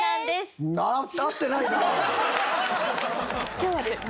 今日はですね